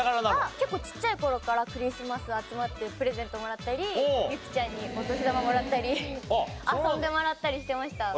結構ちっちゃい頃からクリスマス集まってプレゼントもらったり由貴ちゃんにお年玉もらったり遊んでもらったりしてました。